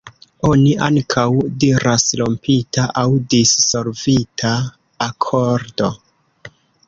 Oni ankaŭ diras "rompita", aŭ "dissolvita" akordo.